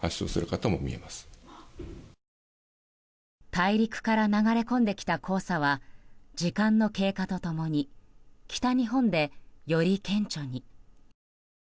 大陸から流れ込んできた黄砂は時間の経過と共に北日本で、より顕著に。